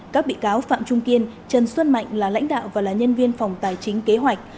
các bị cáo phạm trung kiên trần xuân mạnh là lãnh đạo và là nhân viên phòng tài chính kế hoạch